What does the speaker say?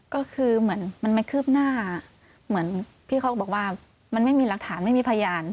ก็คือเหมือนมันไม่คืบหน้าเหมือนพี่เขาก็บอกว่ามันไม่มีหลักฐานไม่มีพยาน